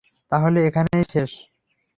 তাহলে এখানেই শেষ?